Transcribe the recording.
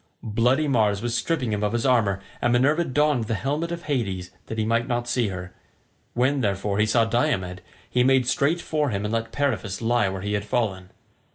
Bloody Mars was stripping him of his armour, and Minerva donned the helmet of Hades, that he might not see her; when, therefore, he saw Diomed, he made straight for him and let Periphas lie where he had fallen.